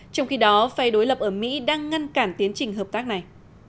trong khi đó phe đối lập ở mỹ đang ngăn cản tiến trình hợp tác này